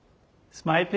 スマイル。